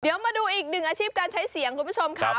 เดี๋ยวมาดูอีกหนึ่งอาชีพการใช้เสียงคุณผู้ชมค่ะ